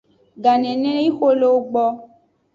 Ganeneyi xo le ewo gbo.